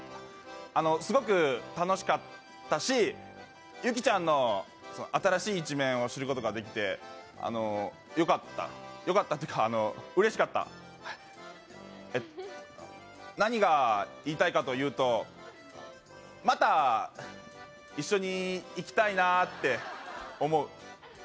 あのすごく楽しかったしユキちゃんのその新しい一面を知ることができてあのよかったよかったっていうかあの嬉しかったえっ何が言いたいかというとまた一緒に行きたいなって思う